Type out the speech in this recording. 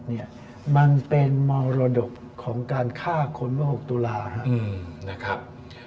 อเจมส์มันเป็นมรดกของการฆ่าคนว่าหกตุราครับ